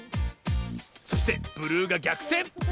そしてブルーがぎゃくてん！